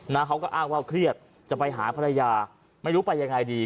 เขาก็อ้างว่าเครียดจะไปหาภรรยาไม่รู้ไปยังไงดี